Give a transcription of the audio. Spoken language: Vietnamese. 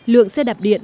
lượng xe đạp điện